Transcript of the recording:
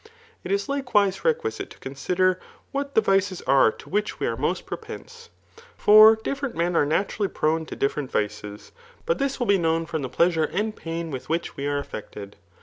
It is likewise requisite to condder what the vices are to which we are most propense ; for different men are naturally prone to different vices. But this will be known from the pleasure and pain with which we are affected.